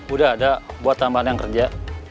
udah ada buat tambahan yang kerja